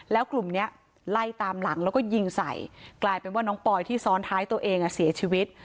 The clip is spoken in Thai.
แล้วกลุ่มนี้ไล่ตามหลังแล้วก็ยิงใส่กลายเป็นว่าน้องปอยที่ซ้อนท้ายตัวเองเสียชีวิต